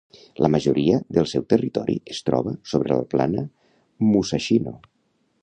La majoria del seu territori es troba sobre la plana Musashino.